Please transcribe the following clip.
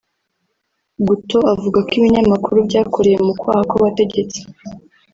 Gouteux avuga ko ibinyamakuru byakoreye mu kwaha kw’abategetsi